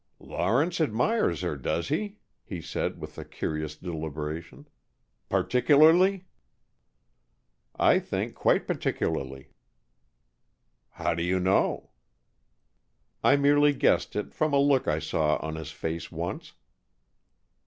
"Lawrence admires her, does he?" he said, with a curious deliberation. "Particularly?" "I think quite particularly." "How do you know?" "I merely guessed it, from a look I saw on his face once."